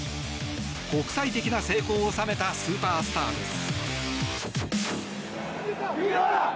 国際的な成功を収めたスーパースターです。